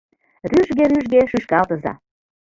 Рӱжге-рӱжге шӱшкалтыза.